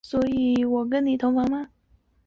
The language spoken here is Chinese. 所以我跟你同房吗？